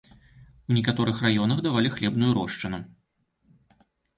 У некаторых раёнах дадавалі хлебную рошчыну.